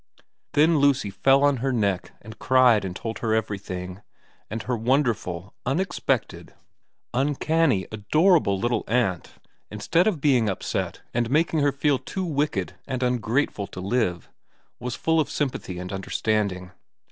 Then Lucy fell on her neck and cried and told her everything, and her wonderful, unexpected, uncanny, adorable little aunt, instead of being upset and making her feel too wicked and ungrateful to live, was full of sympathy and understanding.